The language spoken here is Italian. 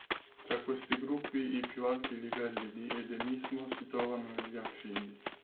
Tra questi gruppi i più alti livelli di endemismo si trovano negli anfibi.